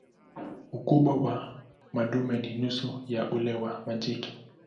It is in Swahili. Ukubwa wa madume ni nusu ya ule wa majike.